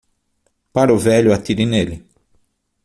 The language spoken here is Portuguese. Para o velho, atire nele.